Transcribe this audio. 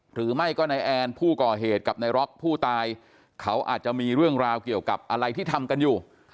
หรือไม่ก็นายแอนผู้ก่อเหตุกับนายร็อกผู้ตายเขาอาจจะมีเรื่องราวเกี่ยวกับอะไรที่ทำกันอยู่